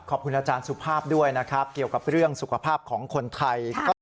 ขอบคุณอาจารย์สุภาพด้วยนะครับเกี่ยวกับเรื่องสุขภาพของคนไทย